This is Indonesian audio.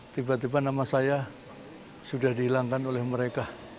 tiba tiba nama saya sudah dihilangkan oleh mereka